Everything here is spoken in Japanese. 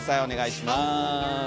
お願いします。